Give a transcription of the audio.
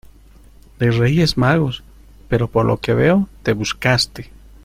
de Reyes Magos, pero... por lo que veo te buscaste